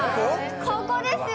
ここですよ。